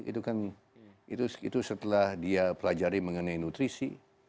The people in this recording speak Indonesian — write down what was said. itu kan itu setelah dia pelajari mengenai nutrisi